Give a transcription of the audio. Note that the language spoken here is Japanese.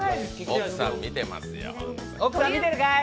奥さん見てるかい？